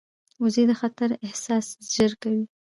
وزې د خطر احساس ژر کوي